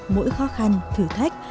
mỗi khó khăn thử thách